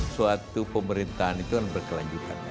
suatu pemerintahan itu berkelanjutan